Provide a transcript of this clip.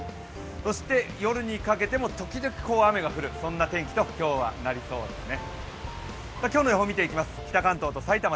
そして夜にかけても時々雨が降る、そんな天気と今日はなりそうですね。